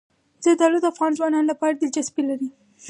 زردالو د افغان ځوانانو لپاره دلچسپي لري.